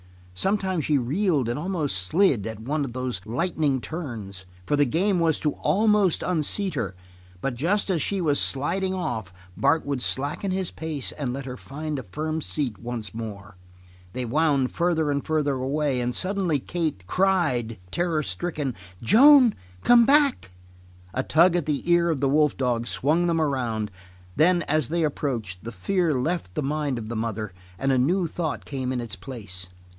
Sometimes she reeled and almost slid at one of those lightning turns, for the game was to almost unseat her, but just as she was sliding off Bart would slacken his pace and let her find a firm seat once more. They wound farther and farther away, and suddenly Kate cried, terror stricken: "Joan! Come back!" A tug at the ear of the wolf dog swung them around; then as they approached, the fear left the mind of the mother and a new thought came in its place.